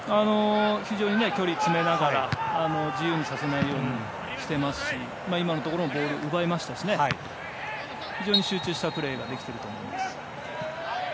非常に距離を詰めながら自由にさせないようにしてますし今のところもボールを奪いましたし非常に集中しているプレーができていると思います。